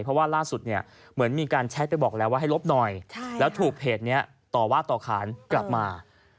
เพราะว่าล่าสุดเนี่ยเหมือนมีการแชทไปบอกแล้วว่าให้ลบหน่อยแล้วถูกเพจนี้ต่อว่าต่อขานกลับมา